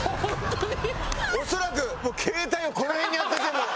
恐らく携帯をこの辺に当ててる。